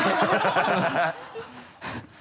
ハハハ